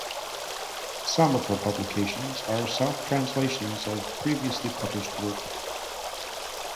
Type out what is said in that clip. Some of her publications are self-translations of previously published works.